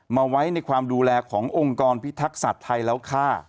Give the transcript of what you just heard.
มาไว้ในความดูแลขององค์กรพิทักษัตริย์ไทยแล้วค่ะ